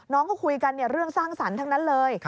น้องเขาคุยกันเรื่องสร้างสรรค์ทั้งนั้นเลย